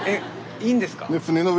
いいんですか？